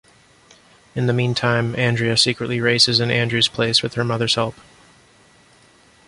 In the meantime, Andrea secretly races in Andrew's place with her mother's help.